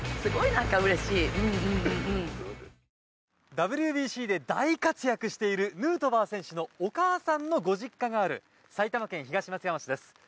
ＷＢＣで大活躍しているヌートバー選手のお母さんのご実家がある埼玉県東松山市です。